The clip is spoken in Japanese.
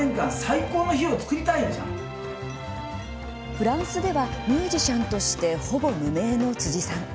フランスではミュージシャンとしてほぼ無名の辻さん。